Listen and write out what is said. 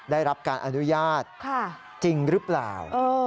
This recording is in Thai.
ได้รับการอนุญาตจริงหรือเปล่า